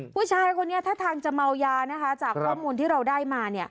ผู้ชายคนนี้ท่าทางจะเมายานะคะจากข้อมูลที่เราได้มา